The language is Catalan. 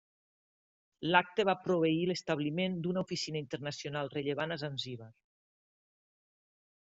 L'Acta va proveir l'establiment d'una Oficina Internacional rellevant a Zanzíbar.